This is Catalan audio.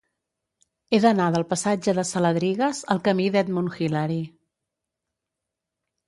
He d'anar del passatge de Saladrigas al camí d'Edmund Hillary.